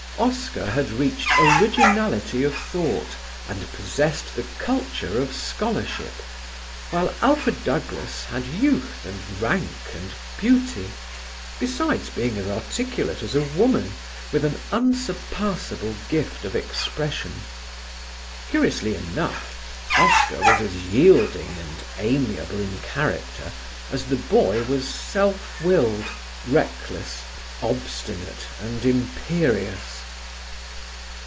Oscar had reached originality of thought and possessed the culture of scholarship, while Alfred Douglas had youth and rank and beauty, besides being as articulate as a woman with an unsurpassable gift of expression. Curiously enough, Oscar was as yielding and amiable in character as the boy was self willed, reckless, obstinate and imperious.